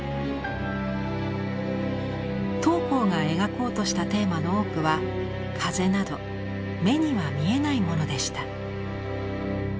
桃紅が描こうとしたテーマの多くは「風」など目には見えないものでした。